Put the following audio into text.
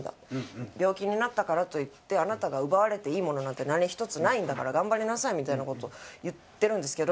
「病気になったからといってあなたが奪われていいものなんて何ひとつないんだから頑張りなさい」みたいな事を言ってるんですけど。